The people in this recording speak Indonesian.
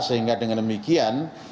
sehingga dengan demikian